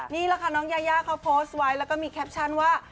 นี่แหละค่ะน้องยายาเขาโพสต์ไว้แล้วก็มีแคปชั่นว่า